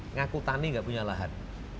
ngaku tani nggak punya lahan